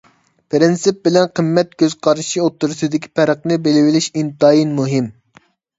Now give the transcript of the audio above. پىرىنسىپ بىلەن قىممەت كۆز قارىشى ئوتتۇرىسىدىكى پەرقنى بىلىۋېلىش ئىنتايىن مۇھىم.